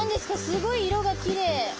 すごい色がきれい！